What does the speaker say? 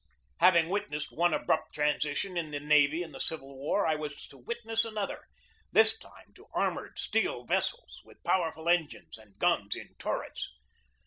Having witnessed one abrupt transition in the navy in the Civil War, I was to witness another this time to armored steel vessels with powerful engines and guns in turrets.